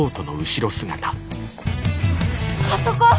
あそこ！